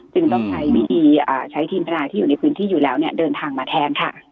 จึงต้องใช้วิธีใช้ทีมทนายที่อยู่ในพื้นที่อยู่แล้วเดินทางมาแทนค่ะ